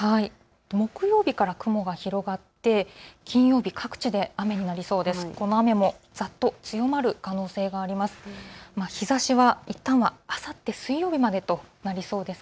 木曜日から雲が広がって金曜日各地で雨になりそうです。